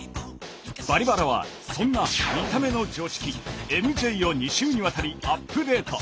「バリバラ」はそんな見た目の常識ＭＪを２週にわたりアップデート！